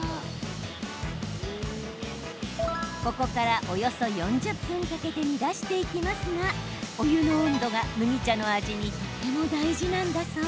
ここから、およそ４０分かけて煮出していきますがお湯の温度が麦茶の味にとても大事なんだそう。